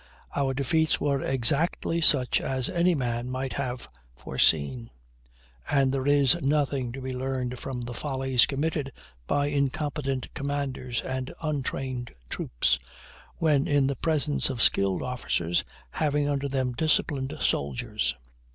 Our defeats were exactly such as any man might have foreseen, and there is nothing to be learned from the follies committed by incompetent commanders and untrained troops when in the presence of skilled officers having under them disciplined soldiers.